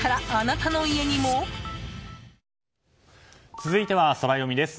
続いてはソラよみです。